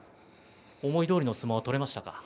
思いどおりの相撲は取れましたか。